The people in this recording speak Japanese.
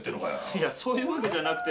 いやそういうわけじゃなくて。